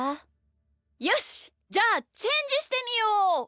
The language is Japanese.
よしじゃあチェンジしてみよう！